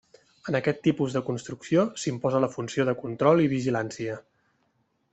En aquest tipus de construcció s'imposa la funció de control i vigilància.